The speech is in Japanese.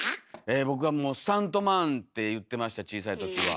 僕はもうスタントマンって言ってました小さいときは。